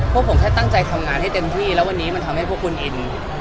พวกผมแค่ตั้งใจทำงานให้เต็มที่แล้ววันนี้มันทำให้พวกคุณอิน